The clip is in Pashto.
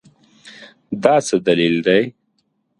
دا څه دلیل دی ؟